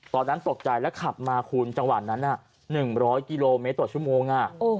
ตอนนั้นตกใจแล้วขับมาคุณจังหวะนั้น๑๐๐กิโลเมตรต่อชั่วโมง